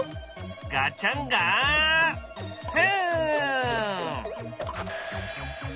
ガチャンガフン！